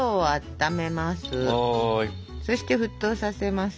そして沸騰させます。